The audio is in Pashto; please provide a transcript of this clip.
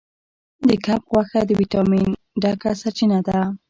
د کب غوښه د ویټامین ډکه سرچینه ده.